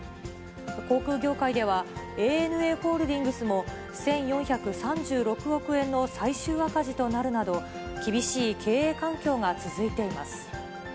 航空業界では、ＡＮＡホールディングスも、１４３６億円の最終赤字となるなど、厳しい経営環境が続いています。